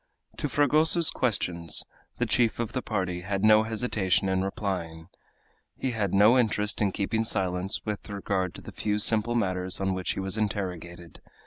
To Fragoso's questions the chief of the party had no hesitation in replying; he had no interest in keeping silence with regard to the few simple matters on which he was interrogated.